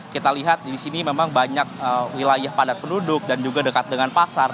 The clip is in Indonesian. kita lihat di sini memang banyak wilayah padat penduduk dan juga dekat dengan pasar